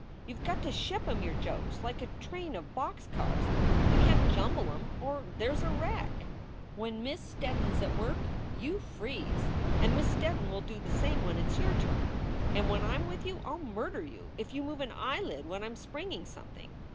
You ve got to ship em your jokes like a train of box cars. You can t jumble em, or there s a wreck. "When Miss Steddon s at work, you freeze! And Miss Steddon will do the same when it s your turn. And when I m with you I ll murder you if you move an eyelid when I m springing something.